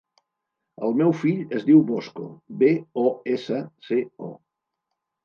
El meu fill es diu Bosco: be, o, essa, ce, o.